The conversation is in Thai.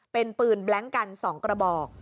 เป็นปืนแบล็งกัน๒กระบอก